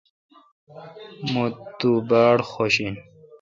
مہ تو باڑ خوش این۔